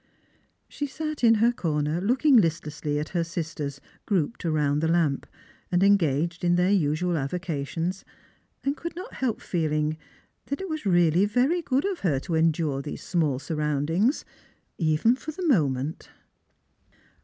She sat in her corner looking listlessly at her sisters, grouped round the larajD, and engaged in their usual avocations, and could not helj) feeling that it was really very good of her to endure these small surroundings, even for the moment.